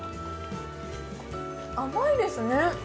甘いですね。